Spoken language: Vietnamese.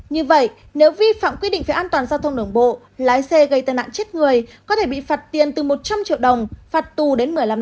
như vậy nếu vi phạm quy định về an toàn giao thông đường bộ lái xe gây tai nạn chết người có thể bị phạt tiền từ một trăm linh triệu đồng phạt tù đến một mươi năm năm